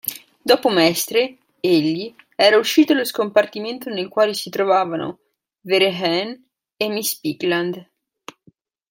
Dopo Mestre egli era uscito dallo scompartimento nel quale si trovavano Vehrehan e miss Bigland.